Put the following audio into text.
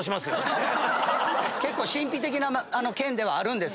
神秘的な県ではあるんです。